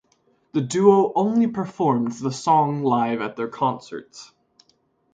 The duo only performed the song live at their concerts.